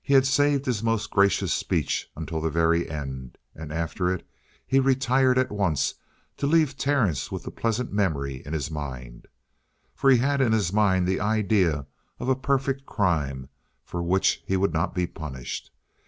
He had saved his most gracious speech until the very end, and after it he retired at once to leave Terence with the pleasant memory in his mind. For he had in his mind the idea of a perfect crime for which he would not be punished.